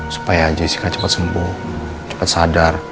supaya jessica cepet sembuh cepet sadar